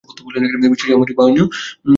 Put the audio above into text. বিশ্বের সামরিক বাহিনী সমূহ